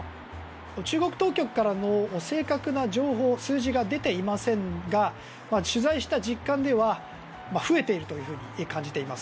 中国当局からの正確な情報数字が出ていませんが取材した実感では増えていると感じています。